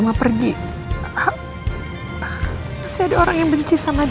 mulai baru kalau nongksester